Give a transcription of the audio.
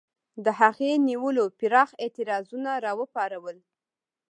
د هغې نیولو پراخ اعتراضونه را وپارول.